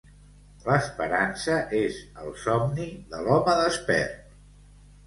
L'esperança és el somni de l'home despert.